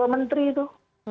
dua menteri itu